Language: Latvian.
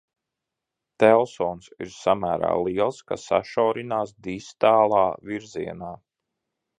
Telsons ir samēra liels, kas sašaurinās distālā virzienā.